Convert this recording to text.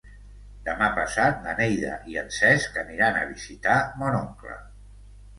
Demà passat na Neida i en Cesc aniran a visitar mon oncle.